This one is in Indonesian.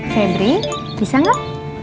febri bisa gak